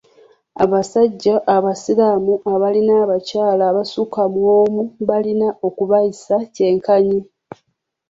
Abasajja abasiraamu abalina abakyala abasukka mu omu balina okubayisa kyenkanyi.